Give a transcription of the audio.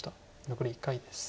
残り１回です。